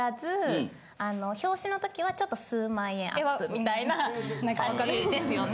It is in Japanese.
みたいな感じですよね。